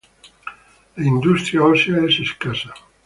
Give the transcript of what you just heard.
La industria ósea es escasa.